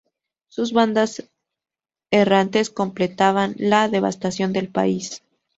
Sus bandas errantes completaban la devastación del país.